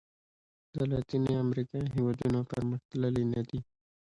د لاتیني امریکا هېوادونو پرمختللي نه دي.